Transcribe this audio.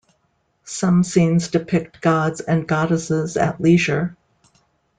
Some scenes depict gods and goddesses at leisure.